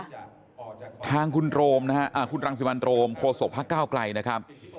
โทษว่าทางคุณโรมคุณรังสิวัลโกโสบภาคเก้าไกลนะครับ